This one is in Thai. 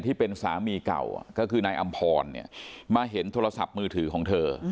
ที่เป็นสามีเก่าก็คือนายอำพรมาเห็นโทรศัพท์มือถือของเธอ